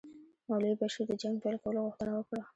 مولوي بشیر د جنګ پیل کولو غوښتنه وکړه.